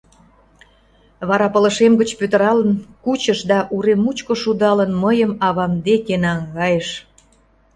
Вара пылышем гыч пӱтыралын кучыш да, урем мучко шудалын, мыйым авам деке наҥгайыш.